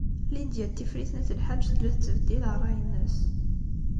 Lidya n Tifrit n At Lḥaǧ tella tettbeddil ṛṛay-nnes.